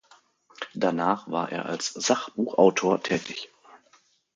Danach war er als Sachbuchautor tätig.